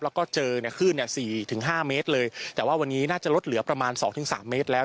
แล้วก็เจอเนี่ยคลื่นเนี่ย๔๕เมตรเลยแต่ว่าวันนี้น่าจะลดเหลือประมาณสองถึงสามเมตรแล้ว